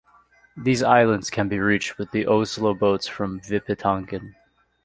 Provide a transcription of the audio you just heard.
These islands can be reached with the Oslo-boats from Vippetangen.